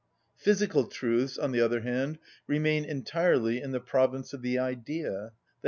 Physical truths, on the other hand, remain entirely in the province of the idea, _i.